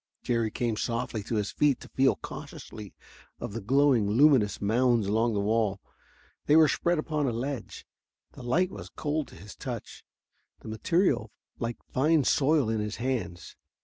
Jerry came softly to his feet to feel cautiously of the glowing, luminous mounds along the wall. They were spread upon a ledge. The light was cold to his touch, the material like fine soil in his hands.